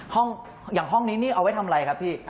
อย่างห้องนี้นี่เอาไว้ทำอะไรครับพี่